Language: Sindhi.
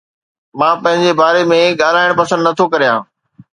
مان پنهنجي باري ۾ ڳالهائڻ پسند نٿو ڪريان